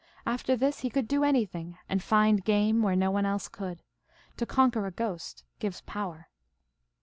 After this he could do anything, and find game where no one else could. To conquer a ghost gives power."